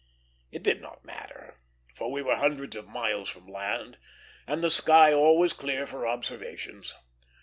It did not matter, for we were hundreds of miles from land and the sky always clear for observations.